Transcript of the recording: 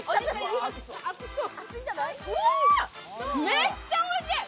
めっちゃ優しい。